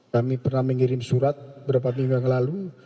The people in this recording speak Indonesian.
kami pernah mengirim surat beberapa minggu yang lalu